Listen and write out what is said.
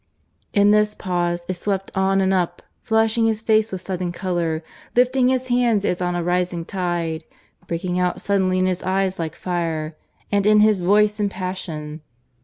In this pause it swept on and up, flushing his face with sudden colour, lifting his hands as on a rising tide, breaking out suddenly in his eyes like fire, and in his voice in passion.